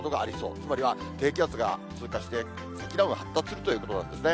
つまりは、低気圧が通過して、積乱雲が発達するということなんですね。